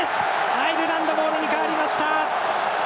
アイルランドボールに変わりました。